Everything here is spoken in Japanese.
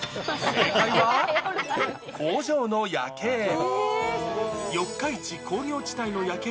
正解は、工場の夜景。